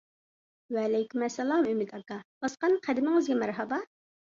ۋەئەلەيكۇم ئەسسالام ئۈمىد ئاكا، باسقان قەدىمىڭىزگە مەرھابا!